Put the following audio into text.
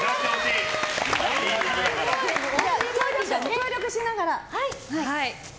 協力しながら。